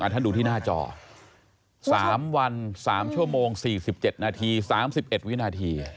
อ่ะท่านดูที่หน้าจอสามวันสามชั่วโมงสี่สิบเจ็ดนาทีสามสิบเอ็ดวินาที